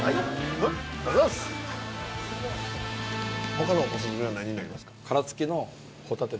他のオススメは何になりますか？